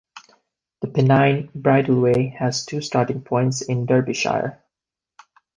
The Pennine Bridleway has two starting points in Derbyshire.